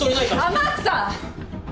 天草！